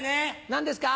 何ですか？